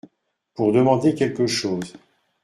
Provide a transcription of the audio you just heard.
Pour demander quelque chose.